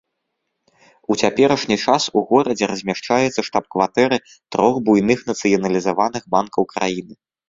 У цяперашні час у горадзе размяшчаецца штаб-кватэры трох буйных нацыяналізаваных банкаў краіны.